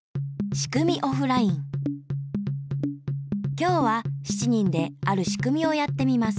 今日は７人であるしくみをやってみます。